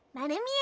え？